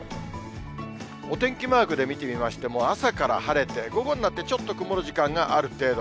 お天気マークで見てみましても、朝から晴れて、午後になってちょっと曇る時間がある程度。